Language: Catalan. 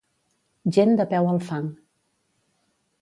Gent de peu al fang.